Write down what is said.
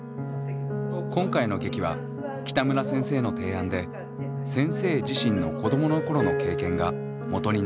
今回の劇は北村先生の提案で先生自身の子どもの頃の経験がもとになっています。